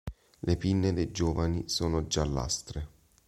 Le pinne dei giovani sono giallastre.